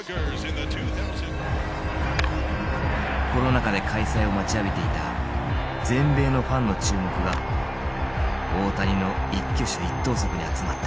コロナ禍で開催を待ちわびていた全米のファンの注目が大谷の一挙手一投足に集まった。